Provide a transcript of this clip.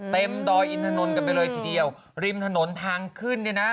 ดอยอินถนนกันไปเลยทีเดียวริมถนนทางขึ้นเนี่ยนะ